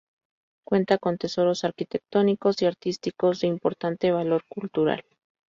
Cuenta con tesoros arquitectónicos y artísticos de importante valor cultural.